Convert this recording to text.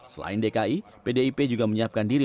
selain dki pdip juga menyiapkan diri